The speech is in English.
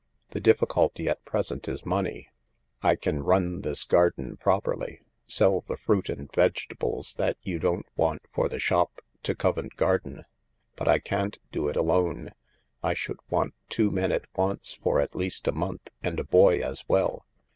The difficulty at present is money. I can run this garden properly— sell the fruit and vegetables that you don't want for the shop to Co vent Garden. But I can't do it alone. I should want two men at once for at least a month and a boy as well.